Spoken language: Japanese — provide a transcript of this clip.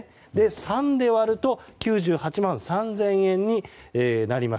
３で割ると９８万３０００円になります。